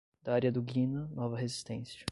Daria Dugina, Nova Resistência